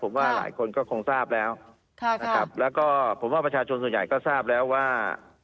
ผมว่าหลายคนก็คงทราบแล้วนะครับแล้วก็ผมว่าประชาชนส่วนใหญ่ก็ทราบแล้วว่า